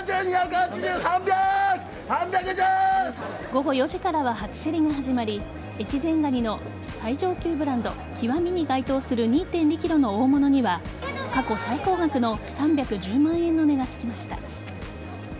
午後４時からは初競りが始まり越前がにの最上級ブランド極に該当する２．２ｋｇの大物には過去最高額の３１０万円の値がつきました。